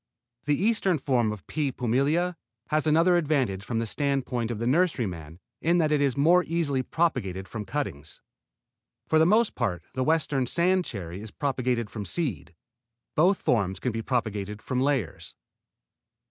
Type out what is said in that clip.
The eastern form, P. pumila, has another advantage from the standpoint of the nurseryman in that it is more easily propagated from cuttings. For the most part the western sand cherry is propagated from seed. Both forms can be propagated from layers.